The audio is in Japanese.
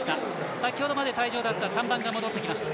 先ほどまで退場だった３番が戻ってきました。